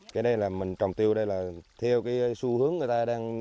cái này là mình trồng tiêu đây là theo cái xu hướng người ta đang đưa ra